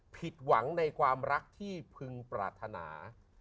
ผิดหวังในความรักที่พึงปรารถนา